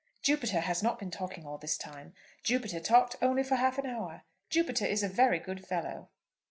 "Jupiter has not been talking all this time. Jupiter talked only for half an hour. Jupiter is a very good fellow."